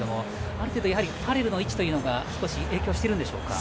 ある程度、ファレルの位置が少し影響しているんでしょうか。